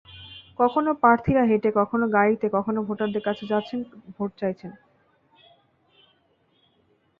কখনো প্রার্থীরা হেঁটে, কখনো গাড়িতে করে ভোটারদের কাছে যাচ্ছেন, ভোট চাইছেন।